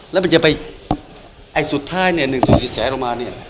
แล้วมันจะไปไอ้สุดท้ายเนี่ย๑ต่อ๔แสนลงมาเนี่ย